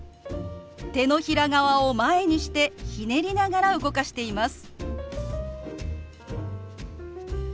手のひら側を前にしてひねりながら動かしています。